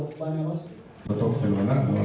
kita tidak memiliki kesalahan sebaliknya